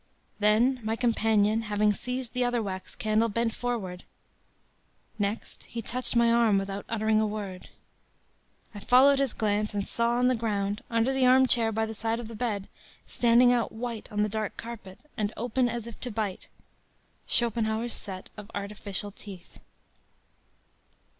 “Then my companion, having seized the other wax candle, bent forward. Next, he touched my arm without uttering a word. I followed his glance, and saw on the ground, under the armchair by the side of the bed, standing out white on the dark carpet, and open as if to bite, Schopenhauer's set of artificial teeth.